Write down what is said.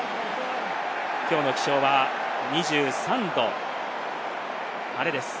きょうの気象は２３度、晴れです。